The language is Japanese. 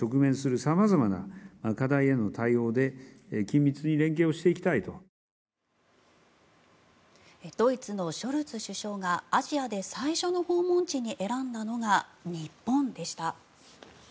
更に、海洋進出を強める中国に対しても。ドイツのショルツ首相がアジアで最初の訪問地に選んだのが日本でした。